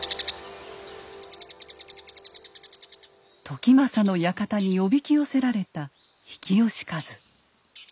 時政の館におびき寄せられた比企能員。